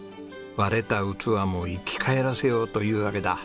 割れた器も生き返らせようというわけだ。